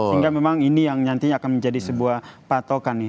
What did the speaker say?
sehingga memang ini yang nantinya akan menjadi sebuah patokan nih